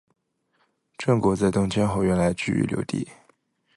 郑国在东迁后原来居于留地。